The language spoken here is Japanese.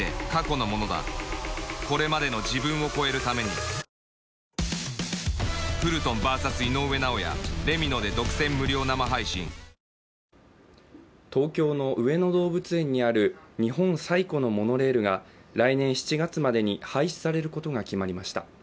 秋篠宮さまがスコップで土を与え、東京の上野動物園にある日本最古のモノレールが来年７月までに廃止されることが決まりました。